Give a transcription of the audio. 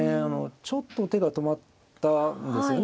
ちょっと手が止まったんですよね。